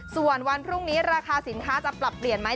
ส่วนวันพรุ่งนี้ราคาสินค้าจะปรับเปลี่ยนไหม